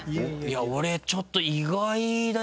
俺ちょっと。